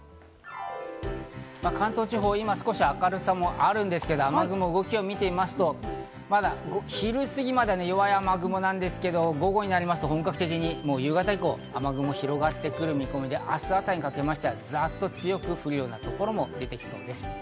関東地方、今少し明るさもあるんですけど雨雲の動きを見てみますと、まだ昼過ぎまで弱い雨雲なんですけど、午後になると本格的に夕方以降、雨雲が広がってくる見込みで、明日朝にかけてざっと強く降る所も出てきそうです。